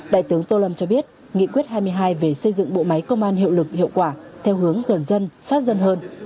đại tướng tô lâm cho biết nghị quyết hai mươi hai về xây dựng bộ máy công an hiệu lực hiệu quả theo hướng gần dân sát dân hơn